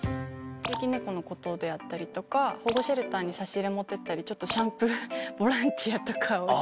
地域猫のことであったりとか保護シェルターに差し入れ持ってったりシャンプーボランティアとかを。